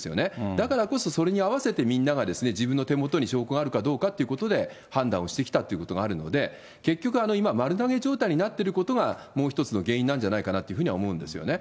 だからこそ、それに合わせてみんなが自分の手元に証拠があるかどうかっていうことで判断をしてきたということがあるので、結局、今、丸投げ状態になっていることがもう一つの原因なんじゃないかなというふうには思うんですよね。